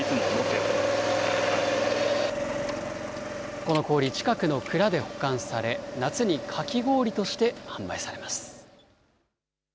この氷、近くの蔵で保管され、夏にかき氷として販売されます。